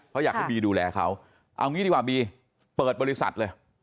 เขาอยากให้บีดูแลเขาเอางี้ดีกว่าบีเปิดบริษัทเลย